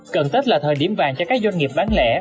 cận tết là thời điểm vàng cho các doanh nghiệp bán lẻ